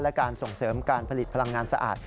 และการส่งเสริมการผลิตพลังงานสะอาด